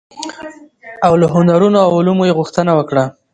او له هنرونو او علومو يې غوښتنه وکړه،